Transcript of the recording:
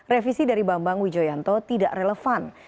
revisi dari bambang wijoyanto tidak relevan